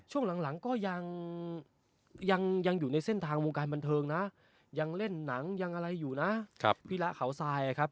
ช่วงหลังก็ยังอยู่ในเส้นทางวงการบันเทิงนะยังเล่นหนังยังอะไรอยู่นะพี่ระเขาทรายครับ